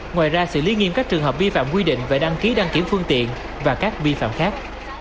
ngoài ra xử lý nghiêm các trường hợp vi phạm quy định về đăng ký đăng kiểm phương tiện và các vi phạm khác